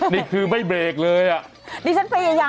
นี่คือไม่เบรคเลย